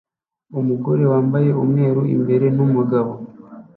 Umugore wambaye umweru imbere numugabo